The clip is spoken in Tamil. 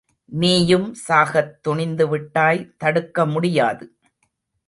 நீயும் சாகத் துணிந்துவிட்டாய் தடுக்க முடியாது.